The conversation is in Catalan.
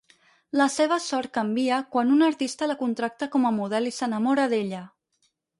La seva sort canvia quan un artista la contracta com a model i s'enamora d'ella.